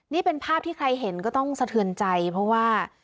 นี่เป็นภาพที่ใครเห็นก็ต้องสะเทือนใจเพราะว่า